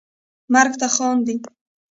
مرګ ته خاندي